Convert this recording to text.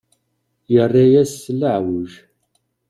Yerra-yas s leɛweǧ.